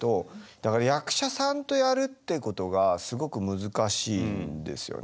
だから役者さんとやるってことがすごく難しいんですよね。